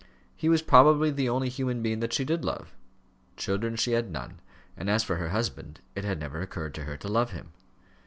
He was probably the only human being that she did love. Children she had none; and as for her husband, it had never occurred to her to love him.